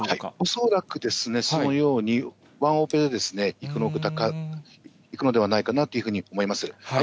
恐らくですね、そのようにワンオペでいくのではないかなというふうに思います。